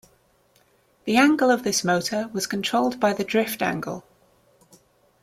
The angle of this motor was controlled by the 'drift angle'.